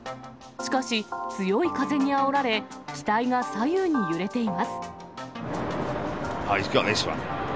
しかし、強い風にあおられ、機体が左右に揺れています。